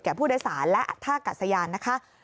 แก่ผู้โดยสารและอัตภาคอากาศสะยานนะคะ